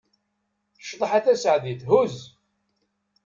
Cḍeḥ a Taseɛdit, huz!